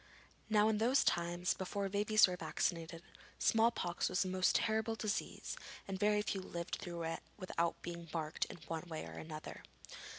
Now in those times, before babies were vaccinated, small pox was a most terrible disease and very few lived through it without being marked in one way or another.